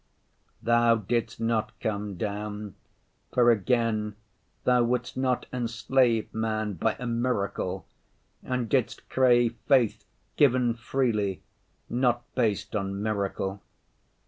Thou didst not come down, for again Thou wouldst not enslave man by a miracle, and didst crave faith given freely, not based on miracle.